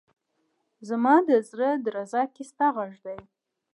زما ده زړه درزا کي ستا غږ دی